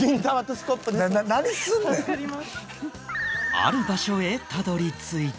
ある場所へたどり着いた